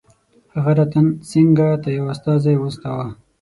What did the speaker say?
هغه رتن سینګه ته یو استازی واستاوه.